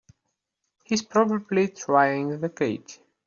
He's probably trying the gate!